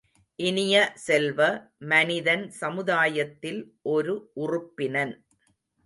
இனிய செல்வ, மனிதன் சமுதாயத்தில் ஒரு உறுப்பினன்.